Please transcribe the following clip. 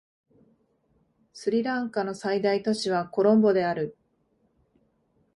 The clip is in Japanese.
スリランカの最大都市はコロンボである